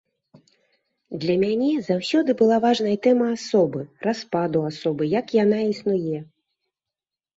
Для мяне заўсёды была важнай тэма асобы, распаду асобы, як яна існуе.